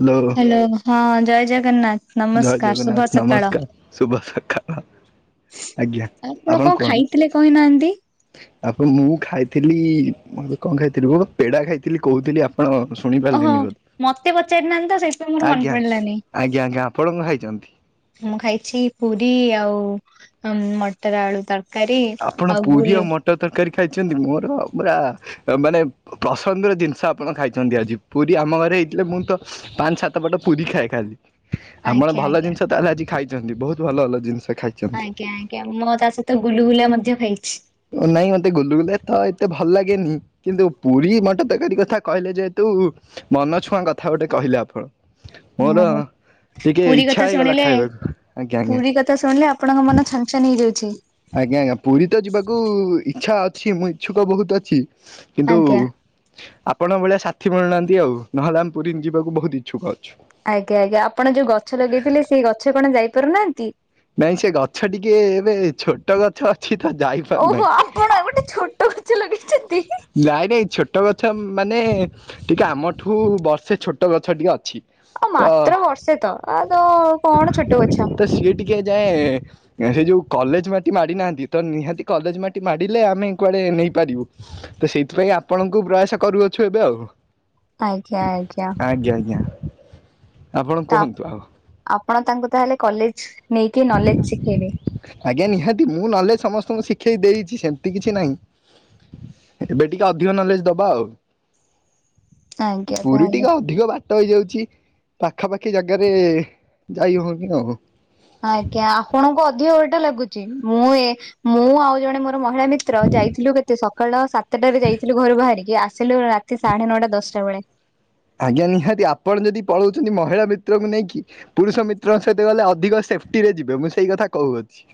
Hello. ହଁ ଜୟ ଜଗନ୍ନାଥ ଜୟ ନମସ୍କାର ଜଗନ୍ନାଥ ଶୁଭ ସକାଳ। ନମସ୍କାର ଶୁଭ ସଖାଳ। ଆପଣ କଣ ଖାଇଥିଲେ କହିନାହାନ୍ତି? ଆପ ମୁଁ ଖାଇଥିଲି ମୁ ଏବେ କଣ ଖାଇଥିଲି, ମୁଁ ବା ପେଡା ଖାଇଥିଲି କହୁଥିଲି ଆ ଆପଣ ଶୁଣି ଓହୋ ପାରିଲେନି ବୋଧେ। ମତେ ପଚାରି ନାହାନ୍ତି ତ ସେଥିପାଇଁ ମୋର ମନେ ଆଜ୍ଞା ପଡିଲାନି। ଆଜ୍ଞା ଆଜ୍ଞା। [unintelligible] ମୁଁ ଖାଇଛି ପୁରୀ ଆଉ ମଟର ଆଳୁ ତ କାରୀ ଆପଣ ଆଉ ପୁରୀ ଗୁଲୁ ମଟର ତରକାରୀ ଖାଇଛନ୍ତି। ମୋର ପୁରା ମାନେ ପସନ୍ଦର ଜିନିଷ ଆପଣ ଖାଇଛନ୍ତି ଆଜି। ପୁରୀ ଆମ ଘରେ ହେଇଥିଲେ ମୁଁ ତ ପାଞ୍ଚ ସାତ ପଟ ପୁରୀ ଖାଏ ଖାଲି। ଆମର ଆଜ୍ଞା ଭଲ ଆଜ୍ଞା। ଜିନିଷ ତାହେଲେ ଆଜି ଖାଇଛନ୍ତି। ବହୁତ୍ ଭଲ ଭଲ ଜିନିଷ ଖାଇ ଆଜ୍ଞା ଆଜ୍ଞା। ମୁଁ ତା ସହିତ ଗୁଲୁଗୁଲା ମଧ୍ୟ ଖାଇଛି। ନାଇଁ ମତେ ଗୁଲୁଗୁଲା ତ ଏତେ ଭଲ ଲାଗେନି। କିନ୍ତୁ ପୁରୀ ମଟର ତରକାରୀ କଥା କହିଲେ ଯେହେତୁ ମନଛୁଆଁ କଥା ଗୋଟେ କହିଲେ ଆପଣ। ମୋର ଓହୋ ଟିକେ ପୁରୀ ଇଛା ହେଇଗଲା ଖାଇବାକୁ। ଆଜ୍ଞା ଆଜ୍ଞା। ତ ଶୁଣିଲେ ଆପଣଙ୍କ ମନ ଛନ୍ ଛନ୍ ହେଇଯାଉଚି। ଆଜ୍ଞା ଆଜ୍ଞା। ପୁରୀ ତ ଯିବାକୁ ଇଛା ଅଛି। ମୁଁ ଇଚ୍ଛୁକ ବହୁତ ଅଛି। କିନ୍ତୁ ଆଜ୍ଞା ଆପଣଙ୍କ ଭଳିଆ ସାଥି ମିଳୁନାହାନ୍ତି ଆଉ। ନହେଲେ ଆମେ ପୁରୀ ଯିବାକୁ ବହୁତ ଇଛୁକ ଅଛୁ। ଆଜ୍ଞା ଆଜ୍ଞା। ଆପଣ ଯୋଉ ଗଛ ଲଗେଇଥିଲେ ସେଇ ଗଛ କଣ ଯାଇପାରୁନାହାନ୍ତି? ନାଇଁ ସେ ଗଛ ଟିକେ ଏବେ ଛୋଟ ଗଛ ଅଛି ତ ଯାଇ ଓହୋ, ଆପଣ ଗୋଟେ ଛୋଟ ଗଛ ଲଗେଇଛନ୍ତି। ନାଇଁ ନାଇଁ ଛୋଟ ଗଛ ମାନେ ଟିକେ ଆମଠୁ ବର୍ଷେ ଛୋଟ ଗଛ ଟିଏ ଅଛି। ଆଉ ତ ମାତ୍ର ବର୍ଷେ ତ, ଆଉ ତ କଣ ଛୋଟ ଗଛ। ତ ସିଏ ଟିକେ ଏଯାଏଁ ହେ ଯୋଉ କଲେଜ ମାଟି ମାଡି ନାହାନ୍ତି, ତ ନିହାତି କଲେଜ ମାଟି ମାଡ଼ିଲେ ଆମେ କୁଆଡେ ନେଇପାରିବୁ। ତ ସେଇଥିପାଇଁ ଆପଣଙ୍କୁ ପ୍ରୟାସ କରୁଅଛୁ ଏବେ ଆଉ। ଆଜ୍ଞା ଆଜ୍ଞା। ଆଜ୍ଞା ଆଜ୍ଞା। ଆପଣ ତା କୁହନ୍ତୁ ଆଉ। ଆପଣ ତାଙ୍କୁ ତାହେଲେ କଲେଜ ନେଇକି ନଲେଜ ଶିଖେଇବେ। ଆଜ୍ଞା ନିହାତି। ମୁଁ ନଲେଜ୍ ସମସ୍ତଙ୍କୁ ଶିଖେଇ ଦେଇଚି ସେମିତି କିଛି ନାହିଁ। ଏବେ ଟିକେ ଅଧିକ ନଲେଜ୍ ଦବା ଆଉ। ଆଜ୍ଞା ପୁରୀ ତାହେଲେ। ଟିକେ ଅଧିକ ବା ଟ ହେଇଯାଉଚି, ପାଖାପାଖି ଜାଗାରେ ଯାଇ ହଉନି ଆଉ। ଆଜ୍ଞା ଆପଣଙ୍କୁ ଅଧିକ ବାଟ ଲାଗୁଚି, ମୁଁ ଏ ମୁଁ ଆଉ ଜଣେ ମୋ ମହିଳା ମିତ୍ର ଯାଇଥିଲୁ କେତେ ସକାଳ ସାତଟାରେ ଯାଇଥିଲୁ ଘରୁ ବାହାରିକି, ଆସ୍ ଆସିଲୁ ରାତି ସାଢ଼େ ନଅଟା ଦଶଟା ବେଳେ। ଆଜ୍ଞା ନିହାତି, ଆପଣ ଯଦି ପଳଉଛନ୍ତି ମହିଳା ମିତ୍ରକୁ ନେଇକି। ପୁରୁଷ ମିତ୍ରଙ୍କ ସହିତ ଗଲେ ଅଧିକ ସେଫ୍ଟି ରେ ଯିବେ, ମୁଁ ସେଇ କଥା କହୁଅଛି।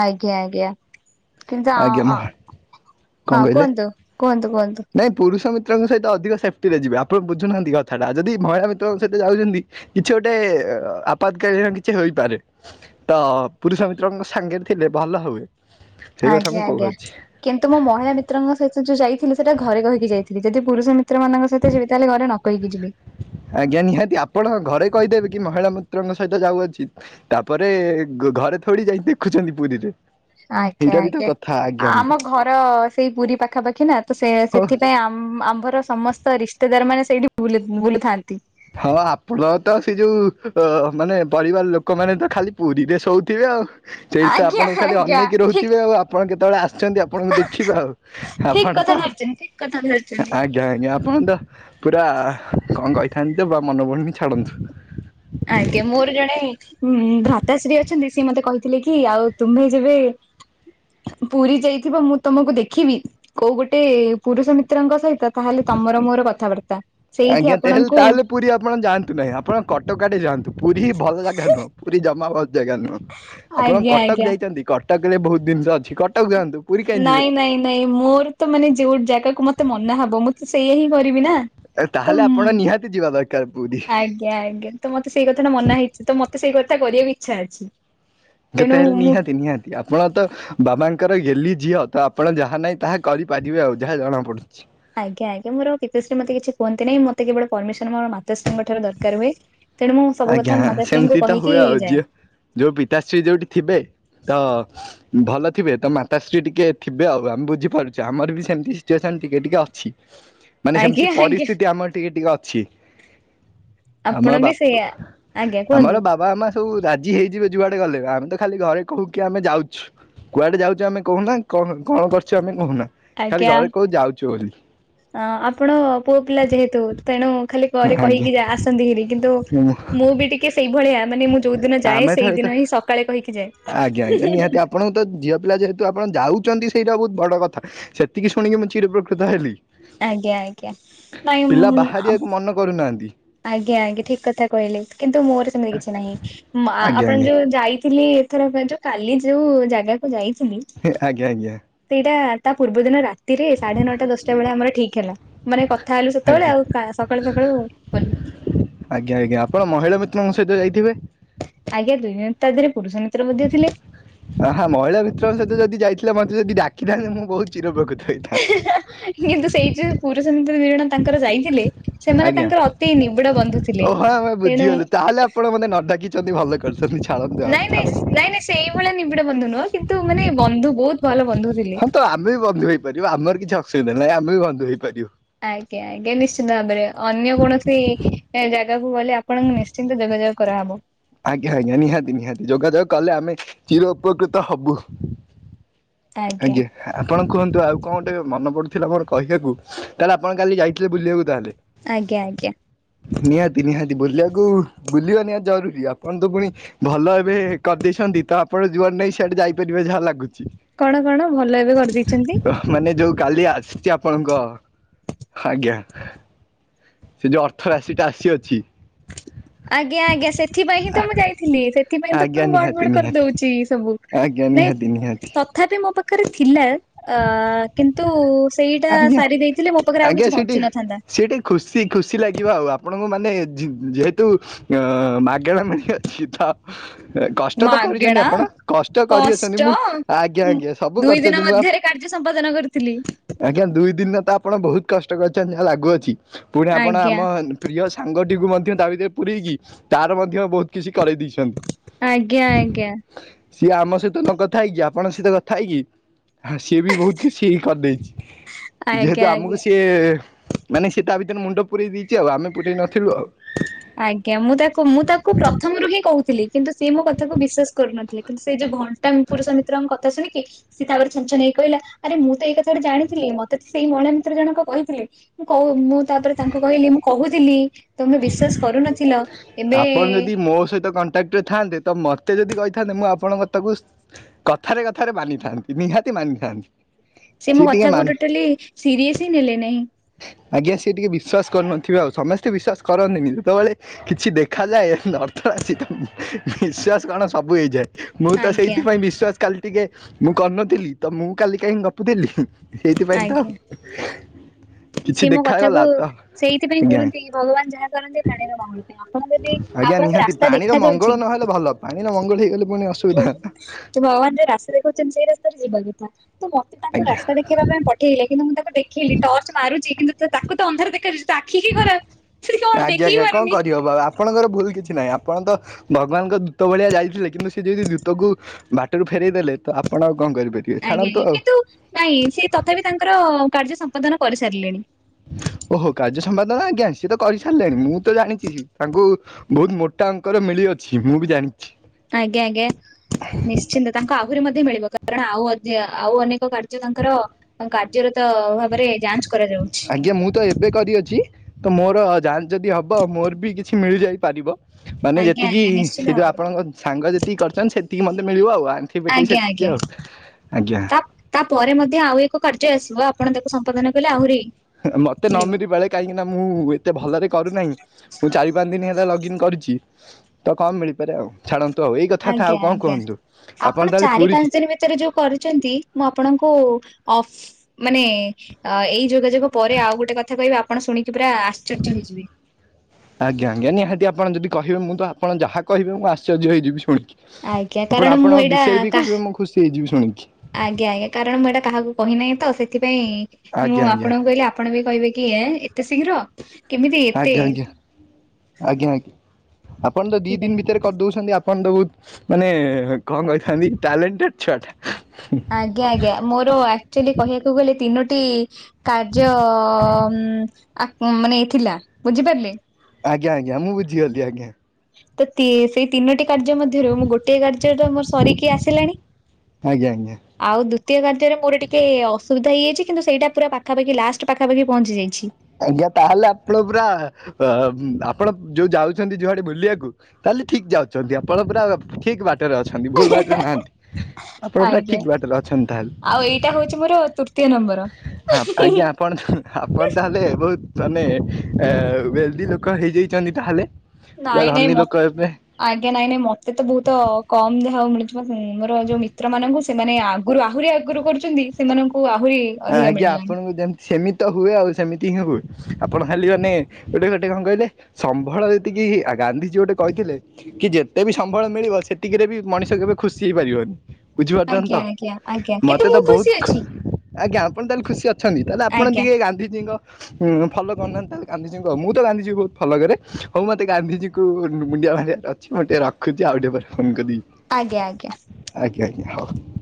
ଆଜ୍ଞା, ଆଜ୍ଞା, କିନ୍ତୁ ଆଜ୍ଞା ମ କଣ ହଁ କହିଲେ? କୁହନ୍ତୁ, କୁହନ୍ତୁ, କୁହନ୍ତୁ? ନାଇଁ ପୁରୁଷ ମିତ୍ରଙ୍କ ସହିତ ଅଧିକ ସେଫ୍ଟିରେ ଯିବେ। ଆପଣ ବୁଝୁନାହାଁନ୍ତି କଥାଟା, ଯଦି ମହିଳା ମିତ୍ରଙ୍କ ସହିତ ଯାଉଛନ୍ତି କିଛି ଗୋଟେ ଆପାତକାଳୀନ କିଛି ହୋଇପାରେ। ତ ପୁରୁଷ ମିତ୍ରଙ୍କ ସାଙ୍ଗରେ ଥିଲେ ଭଲ ହୁଏ। ସେଇ କଥା ମୁଁ ଆଜ୍ଞା ଆଜ୍ଞା, କହୁଅଛି କିନ୍ତୁ ମୋ ମହିଳା ମିତ୍ରଙ୍କ ସହିତ ଯୋଉ ଯାଇଥିଲି, ସେଟା ଘରେ କହିକି ଯାଇଥିଲି, ଯଦି ପୁରୁଷ ମି ପିତ୍ର ମାନଙ୍କ ସହିତ ଯିବି, ତାହେଲେ ଘରେ ନ କହିକି ଯିବି। ଆଜ୍ଞା ନିହାତି, ଆପଣ ଘରେ କହିଦେବେ କି ମହିଳା ମିତ୍ରଙ୍କ ସହିତ ଯାଉଅଛି। ତାପରେ ଘରେ ଥୋଡି ଯାଇ ଦେଖୁଛନ୍ତି ପୁରୀରେ। ଆଜ୍ଞା ଏଇଟା ବି ତ ଆଜ୍ଞା। କଥା ଆଜ୍ଞା ଆମ ଆଜ୍ଞା ଘର ସେଇ ପୁରୀ ପାଖାପାଖି ନା, ତ ସେ ହଉ ସେଥିପାଇଁ ଆମ ଆମ୍ଭର ସମସ୍ତ ରିସ୍ତେଦାର ମାନେ ସେଇଠି ବୁଲ ବୁଲୁଥାନ୍ତି। ହଁ ଆପଣ ତ ସେ ଯୋଉ, ଅ ମାନେ ପରିବାର ଲୋକମାନେ ତ ଖାଲି ପୁରୀରେ ଶୋଉଥିବେ ଆଉ। ସେଇ ତ ଆଜ୍ଞା ଆପଣଙ୍କୁ ଖାଲି ଆଜ୍ଞା ଅନେଇକି ଠିକ୍ ରହୁଥିବେ ଆଉ, ଆପଣ କେତେବେଳେ ଆ ଅଛନ୍ତି ଆପଣଙ୍କୁ ଦେଖିବେ ଆଉ, ଠିକ୍ ଆପଣ ତ କଥା ଧରିଚନ୍ତି ଠିକ୍ କଥା ଧରିଚନ୍ତି। ଆ ଆଜ୍ଞା ଆଜ୍ଞା ଆପଣ ତ ପୁରା କଣ କହିଥାନ୍ତି ତ ବା ମନେପଡୁନି, ଛାଡ଼ନ୍ତୁ। ଆଜ୍ଞା, ମୋର ଜଣେ ଉଁ ଭ୍ରତାଶ୍ରୀ ଅଛନ୍ତି, ସିଏ ମତେ କହିଥିଲେ କି ଆଉ ତୁମ୍ଭେ ଯେବେ ପୁରୀ ଯାଇଥିବ, ମୁଁ ତମକୁ ଦେଖିବି। କୋଉ ଗୋଟେ ପୁରୁଷ ମିତ୍ରଙ୍କ ସହିତ, ତାହେଲେ ତମର ମୋର କଥାବାର୍ତ୍ତା। ସେଇଠି ଆଜ୍ଞା ତେ ହେଲେ ଆପଣଙ୍କୁ ତାହେଲେ ପୁରୀ ଆପଣ ଯାଆନ୍ତୁ ନାହିଁ, ଆପଣ କଟକଆଡେ ଯାଆନ୍ତୁ। ପୁରୀ ଭଲ ଜାଗା ନୁହଁ, ପୁରୀ ଜମା ଭଲ ଜାଗା ନୁହଁ। ଆପଣ ଆଜ୍ଞା କଟକ ଆଜ୍ଞା। ଯାଇଛନ୍ତି? କଟକ ରେ ବହୁତ ଜିନିଷ ଅଛି, କଟକ ଯାଆନ୍ତୁ। ପୁରୀ କାହିଁ ଯିବେ। ନାଇଁ ନାଇଁ ନାଇଁ, ମୋର ତ ମାନେ ଯୋଉ ଜାଗାକୁ ମତେ ମନା ହବ, ମୁଁ ତ ସେଇଆ ହିଁ କରିବି ନା। ତ ତାହେଲେ ଆପଣ ନିହାତି ଯିବା ଦରକାର ପୁରୀ। ଆଜ୍ଞା ଆଜ୍ଞା ତ ମତେ ସେଇ କଥାଟା ମନା ହେଇଛି, ତ ମତେ ସେଇ କଥା କରିବାକୁ ଇଚ୍ଛା ଅଛି। ତେଣୁ ଯେତେହେଲେ ମୁଁ ନିହାତି ନିହାତି। ଆପଣ ତ ବାବାଙ୍କର ଗେଲ୍ଲି ଝିଅ, ତ ଆପଣ ଯାହା ନାହିଁ ତାହା କରିପାରିବେ ଆଉ ଯାହା ଜଣାପଡ଼ୁଛି। ଆଜ୍ଞା ଆଜ୍ଞା, ମୋର ପିତାଶ୍ରୀ ମତେ କିଛି କୁହନ୍ତି ନାହିଁ। ମତେ କେବଳ ପରମିସନ ମୋର ମାତାଶ୍ରୀଙ୍କ ଠାରୁ ଦରକାର ହୁଏ। ତେଣୁ ମୁଁ ସବୁ ଆଜ୍ଞା କଥା ସେମିତି ମାତାଶ୍ରୀଙ୍କୁ ତ ହୁଏ କହିକିଇ ଆଉ ଯାଏ। ଝିଅ ଯୋଉ ପିତାଶ୍ରୀ ଯୋଉଠି ଥିବେ, ତ ଭଲ ଥିବେ ତ ମାତାଶ୍ରୀ ଟିକେ ଥିବେ ଆଉ ଆମେ ବୁଝିପାରୁଛେ, ଆମର ବି ସେମିତି ସିଚୁଏସନ ଟିକେ ଟିକେ ଅଛି। ମାନେ ଆଜ୍ଞା ସେମିତି ଆଜ୍ଞା ପରିସ୍ଥିତି ଆମର ଟିକେ ଟିକେ ଅଛି। ଆମ ଆପଣ ବି ବାପ ସେଇଆ। ଆଜ୍ଞା କୁହନ୍ତୁ ଆମର ବାବା ମା ସବୁ ରାଜି ହେଇଯିବେ ଯୁଆଡେ ଗଲେ, ଆମେ ତ ଖାଲି ଘରେ କହୁ କିି ଆମେ ଯାଉଛୁ। କୁଆଡେ ଯାଉଛୁ ଆମେ କହୁନା, କ କଣ କରଛୁ ଆମେ କହୁନା, ଖାଲି ଘରେ କୋହୁ ଯାଉଛୁ ବୋଲି। ଅ ଆପଣ ପୁଅ ପିଲା ଯେହେତୁ, ତେଣୁ ଖାଲି ଘରେ କହିକି ଆଜ୍ଞା। ଆସନ୍ତି କିରି କିନ୍ତୁ ମୁଁ ବି ଟିକେ ସେଇଭଳିଆ। ମାନେ ମୁଁ ଯୋଉ ଦିନ ଯାଏ, ସେଇଦିନ ହିଁ ସକାଳେ କହିକି ଯାଏ। ଆଜ୍ଞ ଆଜ୍ଞା ନିହାତି, ଆପଣଙ୍କୁ ତଝିଅ ପିଲା ଯେହତୁ କିନ୍ତୁ ଆପଣ ଯାଉଛନ୍ତି ସେଇଟା ବହୁତ ବଡ କଥା। ସେତିକି ଶୁଣିକି ମୁଁ ଚିରଉପକୃତ ହେଲି। ଆଜ୍ଞା ଆଜ୍ଞା, ନାଇଁ ମୁଁ ଆ ମନେ କରିନାହାନ୍ତି। ଆଜ୍ଞା ଆଜ୍ଞା, ଠିକ୍ କଥା କହିଲେ, କିନ୍ତୁ ମୋର ସେମିତି କିଛି ନାହିଁ ମା ଆଜ୍ଞା ଆପଣ ଆଜ୍ଞା ଯୋଉ ଯାଇଥିଲି ଏଥରକ ଯୋଉ, କାଲି ଯୋଉ ଜାଗାକୁ ଯାଇଥିଲି। ହେ ଆଜ୍ଞା ଆଜ୍ଞା। ସେଇଟା ତାପୂର୍ବ ଦିନ ରାତିରେ ସାଢେ ନଅଟା ଦଶଟା ବେଳେ ଆମର ଠିକ୍ ହେଲା। ମାନେ କଥା ହେଲୁ ସେତେବେଳେ, ଆଜ୍ଞା ଆଉ କା ସକାଳୁ ସକାଳୁ ଗଲୁ। ଆଜ୍ଞା ଆଜ୍ଞା, ଆପଣ ମହିଳା ମିତ୍ରଙ୍କ ସହିତ ଯାଇଥିବେ? ଆଜ୍ଞା ଦୁହେ ତାଭିତରେ ପୁରୁଷ ମିତ୍ର ମଧ୍ୟ ଥିଲେ। ଆହା ମହିଳା ମିତ୍ରଙ୍କ ସହିତ ଯଦି ଯାଇଥିଲେ ମତେ ଯଦି ଡାକିଥାନ୍ତେ ମୁଁ ବହୁତ୍ ଚିର ପ୍ରକୃତ ହେଇଥାନ୍ତନ୍ତି। ଇଏତ ସେଇ ଯୋଉ ପୁରୁଷ ମିତ୍ର ଦି ଜଣ ତାଙ୍କର ଯାଇଥିଲେ ସେମାନେ ଆଜ୍ଞା ତାଙ୍କର ଅତି ନିବିଡ଼ ବନ୍ଧୁ ଥିଲେ ତେଣୁ ଆପଣମତେ ନଡାକିଛନ୍ତି ଭଲ କରିୁଛନ୍ତି ଛାଡ଼ନ୍ତୁ ଆଉ ନାଇଁ ନାଇଁ ଛାଡନ୍ତୁ। ନାଇଁ ନାଇଁ ସେଇଭଳିଆ ନିବିଡ଼ ବନ୍ଧୁ ନୁହଁ କିନ୍ତୁ ମାନେ ବନ୍ଧୁ ବହୁତ୍ ଭଲ ବନ୍ଧୁ। ଥିଲେ। ହଁତ ଆମେବି ବନ୍ଧୁ ହେଇପାରିବୁ ଆମର କିଛି ଅସୁବିଧା ନାହିଁ ଆମେବି ବନ୍ଧୁ ହେଇପାରିବୁ। ଆଜ୍ଞା ଆଜ୍ଞା ନିଶ୍ଚିନ୍ତ ଭାବରେ ଅନ୍ୟ କୌଣସି ଏଜାଗାକୁ ଗଲେ ଆପଣଙ୍କୁ ନିଶ୍ଚିନ୍ତ ଯୋଗାଯୋଗ କରାହେବ। ଆଜ୍ଞା ଆଜ୍ଞା ନିହାତି ନିହାତି ଯୋଗାଯୋଗ କଲେ ଆମେ ଚିର ଉପକୃତ ହବୁ। ଆଜ୍ଞା। ଆପଣ କୁହନ୍ତୁ ଆଉ କଁଗୋଟେ ମନେ ପଡ଼ୁଥିଲା ମୋର କହିବାକୁ ତାହେଲେ ଆପଣ କାଲି ଯାଇଥିଲେ ବୁଲିବାକୁ ତାହେଲେ? ଆଜ୍ଞା ଆଜ୍ଞା। ନିହାତି ନିହାତି ବୁଲିବାକୁ ବୁଲିବା ନିହାତିଜରୁରୀ ଆପ କଣତ ପୁଣି ଭଲ ଏବେ କରିଦେଇଛନ୍ତି ତଆପଣ କୁଆଡ଼େ ନାଇଁ ସେଆଡ଼େ ଯାଇପାରିବେ ଯାହା ଲାଗୁଚି? କଣ କଣ ଭଲ ଏବେ କରିଦେଇଚନ୍ତି? ମାନେ ଯୋଉ କାଲି ଆସିଚି ଆପଣଙ୍କ ଆଜ୍ଞା। ସେଯୋଉ ଅର୍ଥ ରାଶିଟା ଆସିଅଛି। ଆଜ୍ଞା, ଆଜ୍ଞା, ସେଥି ପାଇଁହିଁତ ମୁଁ ଯାଇଥିଲି, ସେଥିପାଇଁତ ଆଜ୍ଞା ମୁଁ ଗଡ଼ ନିହାତି ବଡ଼ ନିହାତି କରିଦଉଚି ସବୁ। ଆଜ୍ଞା, ନାଇଁ ନିହାତି ନିହାତି। ତଥାପି ମୋପାଖରେ ଥିଲା ଅ କିନ୍ତୁ ସେଇଟା ଆଜ୍ଞା ସାରି ଦେଇଥିଲେ, ମୋପାଖରେ ଆଉ ଆଜ୍ଞା କିଛି ସେଠି ବଞ୍ଚି ନଥାନ୍ତା। ସେଠି ଖୁସି ଖୁସି ଲାଗିବ ଆଉ ଆପଣଙ୍କୁ ମାନେ ଯେ ଯେହେତୁ ଅ ମାଗଣା ମିଳି ଅଛିତ କଷ୍ଟତ କରିଚନ୍ତି, ମାଗେଣା ଆପଣ କଷ୍ଟ କରିଅଛନ୍ତି କଷ୍ଟ ମୁଁ ଆଜ୍ଞା, ଆଜ୍ଞା, ସବୁ ଦୁଇ ଦିନ କରିଚନ୍ତି ମୁଁବା ମଧ୍ୟରେ କାର୍ଯ୍ୟ ସମ୍ପାଦନ କରିଥିଲି। ଆଜ୍ଞା, ଦୁଇ ଦିନତ ଆପଣ ବହୁତ୍ କଷ୍ଟ କରିଚନ୍ତି ଯାହା ଲାଗୁଅଛି ପୁଣି ଆପଣ ଆଜ୍ଞା ଆମ ପ୍ରିୟ ସାଙ୍ଗଟିକୁ ମଧ୍ୟ ତାଭିତରେ ପୁରେଇକି ତାର ମଧ୍ୟ ବହୁତ୍ କିଛି କରେଇ ଦେଇଛନ୍ତି। ଆଜ୍ଞା, ଆଜ୍ଞା। ସିଏ ଆମ ସହିତନ କଥା ହେଇକି ଆପଣଙ୍କ ସହିତ କଥା ହେଇକି ହ ସିଏବି ବହୁତ୍ କିଛି କରିଦେଇଚି। ଯେହେତୁ ଆଜ୍ଞା ଆଜ୍ଞା। ଆମକୁ ସିଏ ମାନେ ସିଏ ତାଭିତରେ ମୁଣ୍ଡ ପୁରେଇ ଦେଇଚି, ଆଉ ଆମେ ପୁରେଇ ନଥିଲୁ ଆଉ। [inaudible] ଆଜ୍ଞା, ମୁଁ ତାକୁ ମୁଁ ତାକୁ ପ୍ରଥମରୁ ହିଁ କହୁଥିଲି, କିନ୍ତୁ ସିଏ ମୋ କଥାକୁ ବିଶ୍ଵାସ କରୁନଥିଲେ। ସେଯୋଉ ଘଣ୍ଟାଙ୍କ ପୁରୁଷ ମିତ୍ରଙ୍କ କଥା ଶୁଣିକି ସିଏ ତାପରେ ଛଞ୍ଚଛନ ହେଇ କହିଲା ଆରେ ମୁଁତ ଏଇ କଥାଟା ଜାଣିଥିଲି, ମତେ ସେଇ ମହିଳା ମିତ୍ର ଜଣକ କହିଥିଲେ। ମୁଁ କହୁ ମୁଁ ତାପରେ ତାଙ୍କୁ କହିଲି ମୁଁ କହୁଥିଲି ତମେ ବିଶ୍ଵାସ କରୁନଥି ଆପଣ ଯଦି ମୋ ସହିତ କଣ କ୍ଟରେ ଥାନ୍ତେ ତ ମୋତେ ଯଦି କହିଥାନ୍ତେ, ମୁଁ ଆପଣଙ୍କ କଥାକୁ କଥାରେ କଥାରେ ମାନିଥାନ୍ତି ନିହାତି ମାନିଥାନ୍ତି। ସେ ମୋ ସିଏ ଟିକେ ମାନ କଥାକୁ ଟୋଟାଲି ସିରିଅସ ହିଁ ନେଲେ ନେହିଁ। ଆଜ୍ଞା, ସିଏ ଟିକେ ବିସ୍ୱାସ କରୁନଥିବେ ଆଉ ସମସ୍ତେ ବିଶ୍ଵାସ କରନ୍ତିନି, ଯେତେବେଳେ କିଛି ଦେଖାଯାଏ ଅର୍ଥରାଶି ତ ନିସ୍ବାସ କଣ ସବୁ ହେଇଯାଏ। ମୁଁ ତ ଆଜ୍ଞା ସେଇଥିପାଇଁ ବିଶ୍ୱାସ କାଲି ଟିକେ ମୁଁ କରିନଥିଲି ତ ମୁଁ କାଲି କାହିଁ ଗପୁଥିଲି। ସେଇଥିପାଇଁ ତ। କିଛି ସିଏ ମୋ ଦେଖାଗଲା କଥାକୁ ତ ସେଇଥିପାଇଁ ଆଜ୍ଞା କୁହନ୍ତି, ଭଗବାନ ଯାହା କରନ୍ତି। ପ୍ରାଣୀର ମଙ୍ଗଳ ପାଇଁ ଆପଣ ଯଦି ଆଜ୍ଞା, ଆପଣଙ୍କୁ ନିହାତି ରାସ୍ତା ପ୍ରାଣିର ଦେଖା ଯାଉଛି ମଙ୍ଗଳ ନହେଲେ ଭଲ ପାଣିର ମଙ୍ଗଳ ହେଇଗଲେ ପୁଣି ଅସୁବିଧା। [unintelligible] ଭଗବାନ ଯୋଉ ରାସ୍ତା ଦେଖଉଚନ୍ତି, ସେଇ ରାସ୍ତାରେ ଯିବା କଥା ତ ମତେ ତାଙ୍କୁ ଆଜ୍ଞା ରାସ୍ତାଦେ ଦେଖିବା ପାଇଁ ପଠେଇଲେ କିନ୍ତୁ ମୁଁ ତାକୁ ଦେଖିିଲି ଟର୍ଚ୍ଚ ମାରୁଛି କିନ୍ତୁ ତାକୁ ତ ଅନ୍ଧାର ଦେଖାଯାଉଛି। ଆଖିକି ଖରାପ ସେଠି କଣ ଆଜ୍ଞା ଦେଖିକି ଆଜ୍ଞା କଣ ପାରୁନି। କରିହବ ଆଉ ଆପଣଙ୍କର ଭୁଲ କିଛି ନାହିଁ ଆପଣ ତ ଭଗବାନଙ୍କ ଦୂତ ଭଳିଆ ଯାଇଥିଲେ କିନ୍ତୁ ସେ ଯଦି ଦୂତକୁ ବାଟରୁ ଫେରେଇ ଦେଲେ ତ ଆପଣ ଆଉ କଣ କରି ପାରିବେ। ଆଜ୍ଞା ଏ କିନ୍ତୁ ନାଇଁ ସେ ତଥାପି ତାଙ୍କର କାର୍ଯ୍ୟ ସମ୍ପାଦନ କରିସାରିଲେଣି। ଓହୋ କାର୍ଯ୍ୟ ସମ୍ପାଦନା ଆଜ୍ଞା ସିଏ ତ କରିସାରିଲେଣି ମୁଁ ତ ଜାଣିଛି ତାଙ୍କୁ ବହୁତ ମୋଟା ଅଙ୍କରେ ମିଳି ଅଛି ମୁଁ ବି ଜାଣିି ଆଜ୍ଞା ଆଜ୍ଞା ନିଶ୍ଚିନ୍ତ ତାଙ୍କୁ ଆହୁରି ମଧ୍ୟ ମିଳିବ କାରଣ ଆଉ ଅ ଆଉ ଅନେକ କାର୍ ଯ୍ୟ ତାଙ୍କର କାର୍ଯ୍ୟରତ ଭାବରେ ଯାଞ୍ଚ କରାଯାଉଛି। ଆଜ୍ଞା ମୁଁ ତ ଏବେ କରିଅଛି ତ ମୋର ଯାଞ୍ଚ ଯଦି ହବ ମୋର ବି କିଛି ମିଳି ଯାଇ ପାରିବ। ମାନେ ଆଜ୍ଞା ଯେତିକି ଆଜ୍ଞା ନିଶ୍ଚିନ୍ତ ସେ ଯଉ ଭାବରେ ଆପଣଙ୍କ ସାଙ୍ଗ ଯେତିକି କରିଛନ୍ତି ସେତିକି ମତେ ମିଳିବ ଆଉ ଆ ପିଟି ଆଜ୍ଞା ସେତିକି ଆଜ୍ଞା ଆଉ ଆଜ୍ଞା। ତା ତାପରେ ମଧ୍ୟ ଆଉ ଏକ କାର୍ଯ୍ୟ ଆସିବ ଆପଣ ତାକୁ ସମ୍ପାଦନ କଲେ ଆହୁରି ହେ ହେ ମତେ ନ ମିଳିବ। ମିିରି ବାଳେ କାହିଁକି ନା ମୁଁ ଏତେ ଭଲରେ କରୁନାହିଁ ମୁଁ ଚାରି ପାଞ୍ଚ ଦିନ ହେଲା ଲଗଇନ କରିଚି। ତ କଣ ମିଳିପାରେ ଆଉ ଛାଡନ୍ତୁ ଆଉ ଏଇ କଥା ଥାଉ ଆଜ୍ଞା ଆଉ କଣ ଆଜ୍ଞା କୁହନ୍ତୁ ଆପଣ ତାହେଲେ ଚାରି ପୁରୀ ପାଞ୍ଚ ଭିତରେ ଯଉ କରୁଛନ୍ତି ମୁଁ ଆପଣଙ୍କୁ ଅଫ ମାନେ ଅ ଏଇ ଯୋଗାଯୋଗ ପରେ ଆଉ ଗୋଟେ କଥା କହିବି ଆପଣ ଶୁଣିକି ପୁରା ଆଶ୍ଚର୍ଯ୍ୟ ହେଇଯିବେ। ଆଜ୍ଞା ଆଜ୍ଞା ନିହାତି ଆପଣ ଯଦି କହିବେ ମୁଁ ତ ଆପଣ ଯାହା କହିବେ ମୁଁ ଆଶ୍ଚର୍ଯ୍ୟ ହେଇଯିବି ଶୁଣିକି। ଆଜ୍ଞା କାରଣ ମୁଁ ଏଇଟା କା ଶୁଣିଚି। ଆଜ୍ଞା ଆଜ୍ଞା କାରଣ ମୁଁ ଏଇଟା କାହାକୁ କହିନାହିଁ ତ ସେଥିପାଇଁ ଆଜ୍ଞା ମୁଁ ଆଜ୍ଞା ଆପଣଙ୍କୁ କହିଲେ ଆପଣ ବି କହିବେ କି ଏ ଏତେ ଶୀଘ୍ର। କେମିତି ଏତେ ଆଜ୍ଞା ଆଜ୍ଞା ଆଜ୍ଞା ଆଜ୍ଞା ଆପଣ ତ ଦି ସେଥିପାଇଁ ଦିନ ଭିତରେ କରିଦଉଛନ୍ତି ଆପଣ ତ ବହୁତ ମାନେ କଣ କହିଥାନ୍ତି ଟ୍ୟାଲେଣ୍ଟେଡ ଛୁଆ ଟା। ଆଜ୍ଞା ଆଜ୍ଞା ମୋର ଆକ୍ଚୁଆଲି କହିବାକୁ ଗଲେ ତିନୋଟି କାର୍ଯ୍ୟ ଆ ମାନେ ଥିଲା ବୁଝିପାରିଲେ। ଆଜ୍ଞା ଆଜ୍ଞା ମୁଁ ବୁଝିଗଲି ଆଜ୍ଞା। ତ ସେଇ ତିନୋଟି କାର୍ଯ୍ୟ ମଧ୍ୟରୁ ମୁଁ ଗୋଟିଏ କାର୍ଯ୍ୟରେ ତ ମୋର ସରିକି ଆସିଲାଣି। ଆଜ୍ଞା ଆଜ୍ଞା। ଆଉ ଦ୍ୱିତୀୟ କାର୍ଯ୍ୟରେ ମୋର ଟିକେ ଅସୁବିଧା ହେଇଯାଇଛି କିନ୍ତୁ ସେଇଟା ପୁରା ପାଖାପାଖି ଲାଷ୍ଟ ପାଖାପାଖି ପହଞ୍ଚି ଯାଇଛି। ଆଜ୍ଞା ତାହେଲେ ଆପଣ ପୁରା ଆପଣ ଯୋଉ ଯାଉଛନ୍ତି ଯୁଆଡେ ବୁଲିବାକୁ ତାହେଲେ ଠିକ ଯାଉଛନ୍ତି ଆପଣ ପୁରା ଠିକ ବାଟରେ ଅଛନ୍ତି ଭୁଲ ବାଟରେ ନାହାନ୍ତି। ଆପଣ ପୁରା ଆଜ୍ଞା ଠିକ ବାଟରେ ଅଛନ୍ତି ତାହେଲେ। ଆଉ ଏଇଟା ହଉଛି ମୋର ତୃତୀୟ ନମ୍ବର। ହ ଆଜ୍ଞା ଆପଣତ ଆପଣ ତାହେ ହେଲେ ବହୁତ ମାନେ ଏ ବେଲଦି ଲୋକ ହେଇଯାଇଛନ୍ତି ତାହେଲେ। ପୁରା ନାଇଁ ନାଇଁ ଧନୀ ମ ଲୋକ ଏବେ ଆଜ୍ଞା ନାଇଁ ନାଇଁ ମତେ ତ ବହୁତ କମ ଦେହାଉ ମିଳୁଥିବ ମୋର ଯୋଉ ମିତ୍ର ମାନଙ୍କୁ। ସେମାନେ ଆଗରୁ ଆହୁରି ଆଗରୁ କରୁଛନ୍ତି ସେମାନଙ୍କୁ ଆହୁରି ହଁ ଅଧିକା ଆଜ୍ଞା ମିଳିଲାଣି। ଆପଣଙ୍କୁ ଯେମତି ସେମି ତ ହୁଏ ଆଉ ସେମିତି ହିଁ ହୁଏ ଆପଣ ଖାଲିିମାନେ ଗୋଟେ ଗୋଟେ କଣ କହିଲେ? ସମ୍ବଳ ଯେତିକି ଆ ଗାନ୍ଧିଜୀ ଗୋଟେ କହିଥିଲେ। କି ଯେତେ ବି ସମ୍ବଳ ମିଳିବ ସେତିକିରେ ବି ମଣିଷ କେବେ ଖୁସି ହେଇପାରିବନି। ବୁଝିପାରୁଛନ୍ତି ତ ଆଜ୍ଞା ଆଜ୍ଞା ଆଜ୍ଞା କିନ୍ତୁ ମତେ ତ ମୁଁ ବହୁତ ଖୁସି ଅଛି ଆଜ୍ଞା ଆପଣ ତାହେଲେ ଖୁସି ଅଛନ୍ତି ତାହେଲେ ଆପଣ ଆଜ୍ଞା ଟିକେ ଗାନ୍ଧିଜୀଙ୍କ ହୁଁ ଫଲୋ କରୁନାହାନ୍ତି ଗାନ୍ଧିଜୀଙ୍କୁ ମୁଁ ତ ଗାନ୍ଧିଜୀଙ୍କୁ ବହୁତ ଫଲୋ କରେ ହଉ ମତେ ଗାନ୍ଧିଜୀଙ୍କୁ ମୁଣ୍ଡିଆ ମାରିଆ। ଅଛି ମୁଁ ଟିକେ ରଖୁଛି ଆଉ ଟିକେ ପରେ ଫୋନ୍ କରିିବି। ଆଜ୍ଞା ଆଜ୍ଞା। ଆଜ୍ଞା ଆଜ୍ଞା ହଉ।